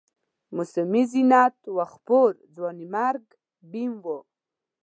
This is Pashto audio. موسمي زینت و خپور، ځوانیمرګ بیم و